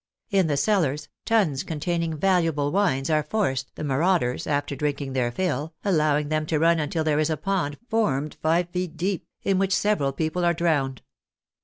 In the cellars, tuns containing valuable wines are forced, the marauders, after drinking their fill, allowing them to run until there is a pond formed five feet deep, in which sev eral people are drowned.